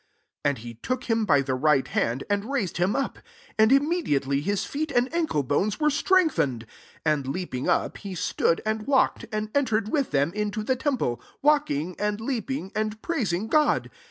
7 And he. took him by the right hand, and raised him up ; and immediate ly his feet and ancle bones were strengthened : 8 and leaping up, he stood and walked, and entered with them into the tem ple, walking, and leaping, and praising God.